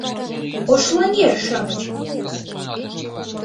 Ошлаҥер-шамыч!